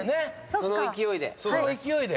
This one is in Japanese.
その勢いで。